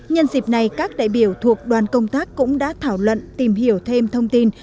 nhân dịp này các đại biểu thuộc đoàn công tác cũng đã thảo luận tìm hiểu thêm thông tin